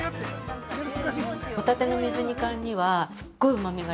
◆ホタテの水煮缶にはすっごいうまみが